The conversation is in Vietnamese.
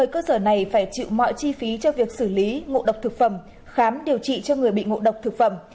một mươi cơ sở này phải chịu mọi chi phí cho việc xử lý ngộ độc thực phẩm khám điều trị cho người bị ngộ độc thực phẩm